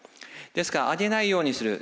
ですから上げないようにする。